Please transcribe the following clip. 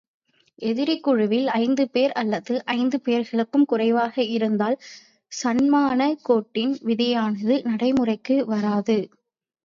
எதிர்க்குழுவில் ஐந்து பேர் அல்லது ஐந்து பேர்களுக்கும் குறைவாக இருந்தால், சன்மானக் கோட்டின் விதியானது, நடைமுறைக்கு வராது.